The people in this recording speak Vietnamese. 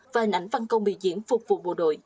và hình ảnh văn công biểu diễn phục vụ bộ đội